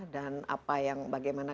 dan apa yang bagaimana